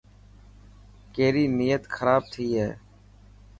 ڪيري نيت کراب ٿي هي.